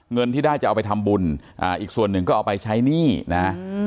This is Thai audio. เงินที่ได้จะเอาไปทำบุญอีกส่วนหนึ่งก็เอาไปใช้หนี้นะ